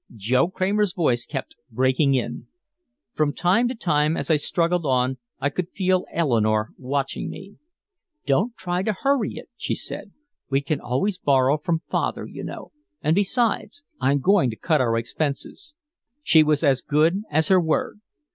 Joe Kramer's voice kept breaking in. From time to time as I struggled on I could feel Eleanore watching me. "Don't try to hurry it," she said. "We can always borrow from father, you know and besides, I'm going to cut our expenses." She was as good as her word.